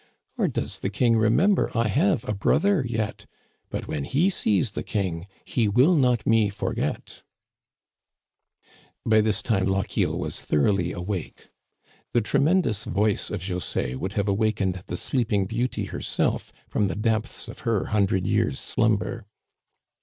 Or does the king remember I have a brother yet ? But when he sees the king he will not me forget* " By this time Lochiel was thoroughly awake. The tremendous voice of José would have awakened the Digitized by VjOOQIC 252 THE CANADIANS OF OLD, sleeping beauty herself from the depths of her hundred years' slumber.